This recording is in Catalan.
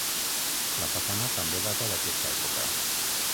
La façana també data d'aquesta època.